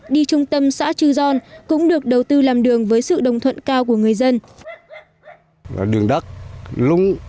đi trung tâm xã chư giòn cũng được đầu tư làm đường với sự đồng thuận cao của người dân